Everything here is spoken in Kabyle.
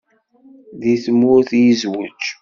Deg tmurt i yezweǧ?